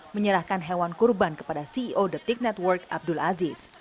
menyerahkan hewan kurban kepada ceo detik network abdul aziz